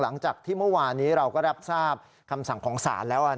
หลังจากที่เมื่อวานนี้เราก็รับทราบคำสั่งของศาลแล้ว